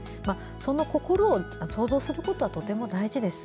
その心を想像することはとても大事です。